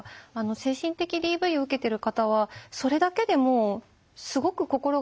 精神的ＤＶを受けてる方はそれだけでもうすごく心が消耗してると思うんです。